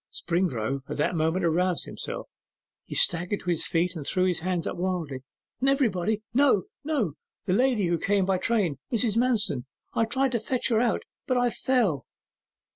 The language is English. Springrove at that moment aroused himself; he staggered to his feet, and threw his hands up wildly. 'Everybody, no! no! The lady who came by train, Mrs. Manston! I tried to fetch her out, but I fell.